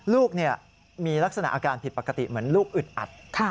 ลูกมีลักษณะอาการผิดปกติเหมือนลูกอึดอัด